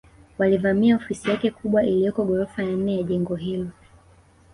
Walivamia ofisi yake kubwa iliyoko ghorofa ya nne ya jengo hilo